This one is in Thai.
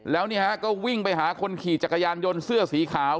แล้วนี่ฮะก็วิ่งไปหาคนขี่จักรยานยนต์เสื้อสีขาว